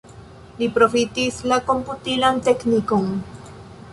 Li profitis la komputilan teknikon.